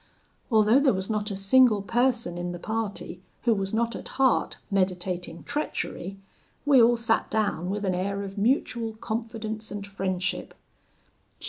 Although there was not a single person in the party who was not at heart meditating treachery, we all sat down with an air of mutual confidence and friendship.